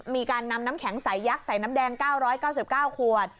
มีการนำน้ำแข็งสายยักษ์ใส่น้ำแดง๙๙๙ขวด